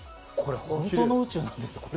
これ本当の宇宙なんですか？